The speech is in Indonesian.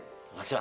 terima kasih pak